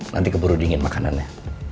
nanti keburu dingin makanannya